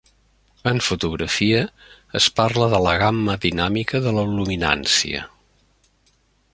En fotografia, es parla de la gamma dinàmica de la luminància.